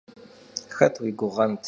Xet yi guğent?